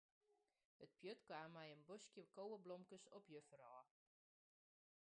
It pjut kaam mei in boskje koweblomkes op juffer ôf.